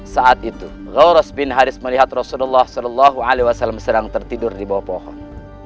saat itu lauros bin haris melihat rasulullah saw sedang tertidur di bawah pohon